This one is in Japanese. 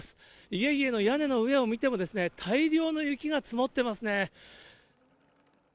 家々の屋根の上を見ても、大量の雪が積もってますね。